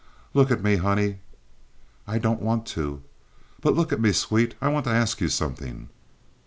"Look at me, honey." "I don't want to." "But look at me, sweet. I want to ask you something."